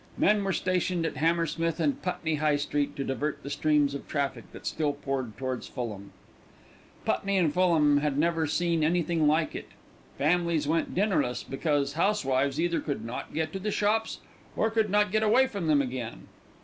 Men were stationed at Hammersmith and Putney High Street to divert the streams of traffic that still poured towards Fulham. Putney and Fulham had never seen anything like it. Families went dinnerless because housewives either could not get to the shops, or could not get away from them again.